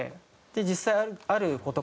実際ある事から。